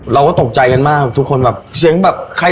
หรออ้าวจบดิเราพร้อมค่ะอ้าวไปแยกใหญ่